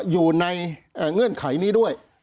อยู่ในเงื่อนไขนี้ด้วย